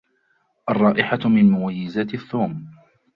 الرائحة من مميزات الثوم.